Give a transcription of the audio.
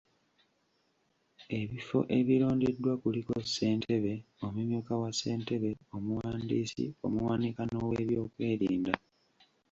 Ebifo ebirondeddwa kuliko; ssentebe, omumyuka wa ssentebe, omuwandiisi, omuwanika, n’oweebyokwerinda.